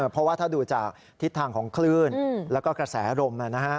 เพราะว่าถ้าดูจากทิศทางของคลื่นแล้วก็กระแสลม